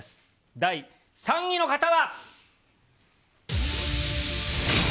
第３位の方は。